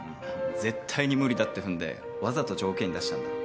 絶対に無理だって踏んでわざと条件に出したんだろ。